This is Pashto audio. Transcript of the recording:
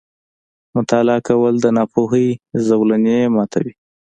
• مطالعه کول، د ناپوهۍ زولنې ماتوي.